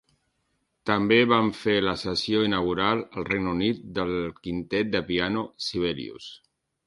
També van fer la sessió inaugural al Regne Unit del quintet de piano Sibelius.